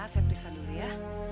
saya periksa dulu ya